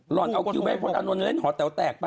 หล่อนเอาคิวแม่พลเอานอนเล่นหอแตวแตกป่ะ